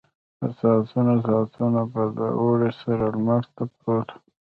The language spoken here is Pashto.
په ساعتونو ساعتونو به د اوړي سره لمر ته پروت و.